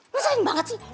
lu sering banget sih